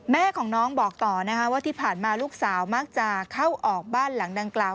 แม่ของน้องบอกต่อนะคะว่าที่ผ่านมาลูกสาวมักจะเข้าออกบ้านหลังดังกล่าว